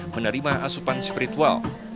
menerima asupan spiritual